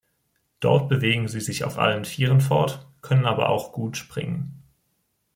Dort bewegen sie sich auf allen vieren fort, können aber auch gut springen.